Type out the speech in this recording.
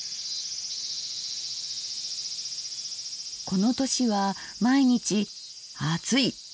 この年は毎日暑い！